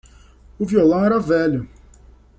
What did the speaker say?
O vioão era velho.